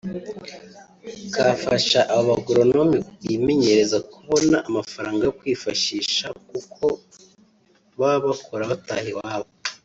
kafasha aba bagoronome bimenyereza kubona amafaranga yo kwifashisha kuko baba bakora bataha iwabo